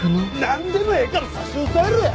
なんでもええから差し押さえろや！